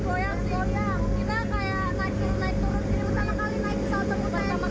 ternyata beda kayak komersial